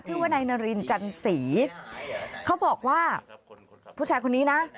ชื่อว่านายนารินจันสีเขาบอกว่าผู้ชายคนนี้นะ